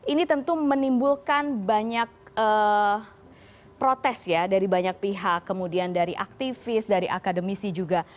ini tentu menimbulkan banyak protes ya dari banyak pihak kemudian dari aktivis dari akademisi juga